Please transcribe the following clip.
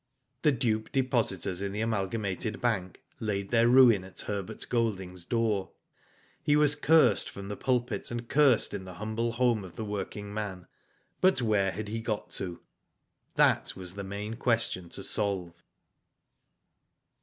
The duped depositors in the Amalgamated bank laid their ruin at Herbert Golding's door. He was cursed from the pulpit, and cursed in the humble home of the working man. But where had he got to? that was the main question to solve.